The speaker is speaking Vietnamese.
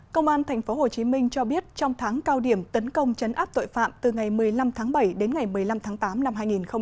công an tp hcm cho biết trong tháng cao điểm tấn công chấn áp tội phạm từ ngày một mươi năm tháng bảy đến ngày một mươi năm tháng tám năm hai nghìn hai mươi